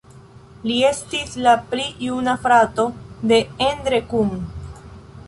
Li estis la pli juna frato de Endre Kun.